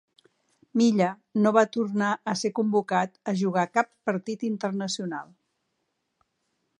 Milla no va tornar a ser convocat a jugar cap partit internacional.